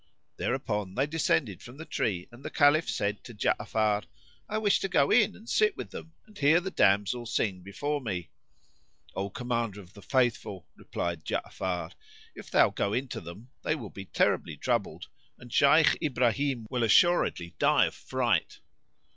Thereupon they descended from the tree, and the Caliph said to Ja'afar, "I wish to go in and sit with them; and hear the damsel sing before me." "O Commander of the Faithful," replied Ja'afar, "if thou go in to them they will be terribly troubled, and Shaykh Ibrahim will assuredly die of fright."